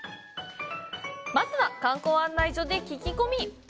まずは、観光案内所で聞き込み！